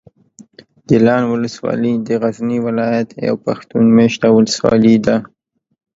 ګیلان اولسوالي د غزني ولایت یوه پښتون مېشته اولسوالي ده.